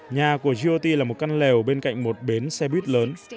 nhà của jooty là một căn lèo bên cạnh một bến xe buýt lớn